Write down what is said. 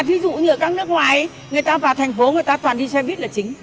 ví dụ như ở các nước ngoài người ta vào thành phố người ta toàn đi xe buýt là chính